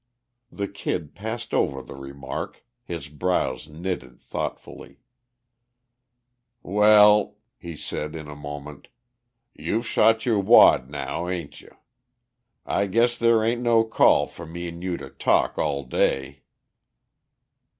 The Kid passed over the remark, his brows knitted thoughtfully. "Well," he said in a moment, "you've shot your wad now, ain't you? I guess there ain't no call for me an' you to talk all day."